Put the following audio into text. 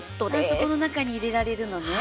そこの中に入れられるのね。